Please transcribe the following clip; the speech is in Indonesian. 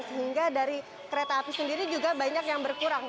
sehingga dari kereta api sendiri juga banyak yang berkurang